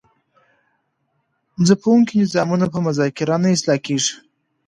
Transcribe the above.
ځپونکي نظامونه په مذاکره نه اصلاح کیږي.